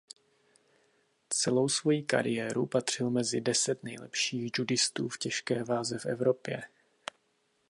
Celou svojí kariéru patřil mezi deset nejlepších judistů v těžké váze v Evropě.